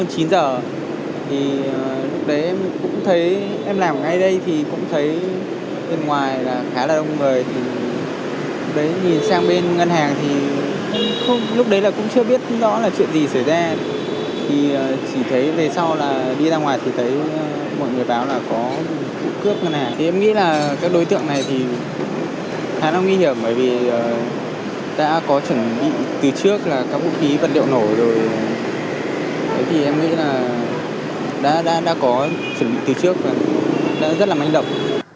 mọi người báo là có vũ cướp này em nghĩ là các đối tượng này thì khá là nguy hiểm bởi vì đã có chuẩn bị từ trước là các vũ khí vật liệu nổ rồi em nghĩ là đã có chuẩn bị từ trước là rất là mạnh động